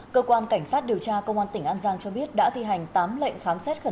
cơ quan cảnh sát điều tra công an tỉnh an giang cho biết đã thi hành tám lệnh khám xét khẩn cấp